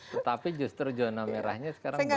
tetapi justru zona merahnya sekarang berbeda